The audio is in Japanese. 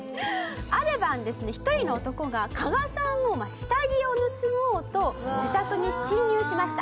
ある晩ですね一人の男が加賀さんの下着を盗もうと自宅に侵入しました。